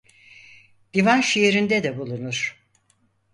Divan şiirinde de bulunur.